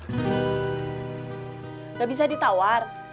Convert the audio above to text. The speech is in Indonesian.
tidak bisa ditawar